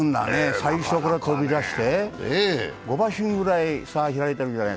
最初から飛び出して、５馬身ぐらいありました。